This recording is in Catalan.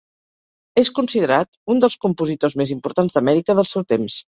És considerat un dels compositors més importants d'Amèrica del seu temps.